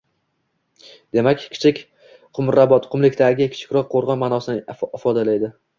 Demak, Kichik Qumrabot – «qumlikdagi kichikroq qo‘rg‘on» ma’nosini ifodalaydi.